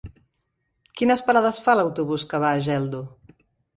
Quines parades fa l'autobús que va a Geldo?